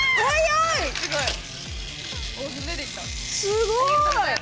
すごい！